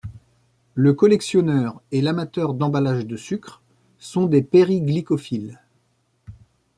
Le collectionneur et l'amateur d'emballage de sucres sont des périglycophiles.